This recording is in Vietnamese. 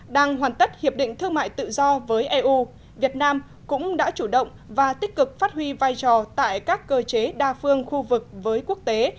đang hoàn tất hiệp định thương mại tự do với eu việt nam cũng đã chủ động và tích cực phát huy vai trò tại các cơ chế đa phương khu vực với quốc tế